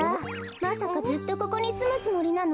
まさかずっとここにすむつもりなの？